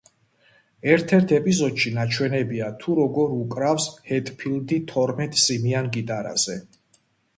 ერთ-ერთ ეპიზოდში ნაჩვენებია, თუ როგორ უკრავს ჰეტფილდი თორმეტ სიმიან გიტარაზე.